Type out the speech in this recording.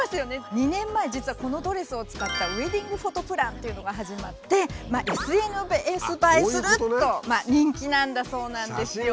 ２年前実はこのドレスを使った「ウエディングフォトプラン」というのが始まってＳＮＳ映えすると人気なんだそうなんですよ。